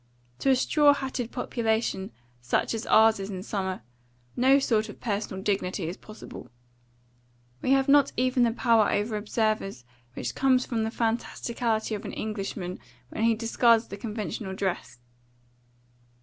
To a straw hatted population, such as ours is in summer, no sort of personal dignity is possible. We have not even the power over observers which comes from the fantasticality of an Englishman when he discards the conventional dress.